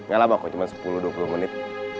gak lama kok cuma sepuluh dua puluh menit